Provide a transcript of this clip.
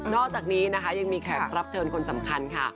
อกจากนี้นะคะยังมีแขกรับเชิญคนสำคัญค่ะ